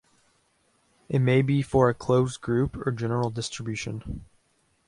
It may be for a closed group or general distribution.